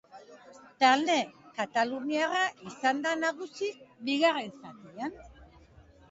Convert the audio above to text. Talde kataluniarra izan da nagusi bigarren zatian.